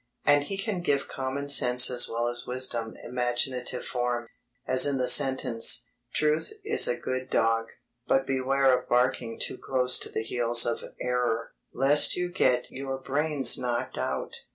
And he can give common sense as well as wisdom imaginative form, as in the sentence: Truth is a good dog; but beware of barking too close to the heels of error, lest you get your brains knocked out.